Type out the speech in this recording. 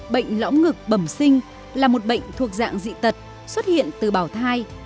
bệnh lõm ngực bẩm sinh là một bệnh thuộc dạng dị tật xuất hiện từ bảo thai